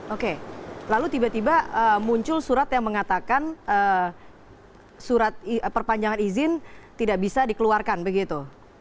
oke lalu tiba tiba muncul surat yang mengatakan surat perpanjangan izin tidak bisa dikeluarkan begitu